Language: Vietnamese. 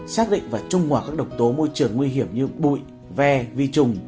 xác định và trung hòa các độc tố môi trường nguy hiểm như bụi ve vi trùng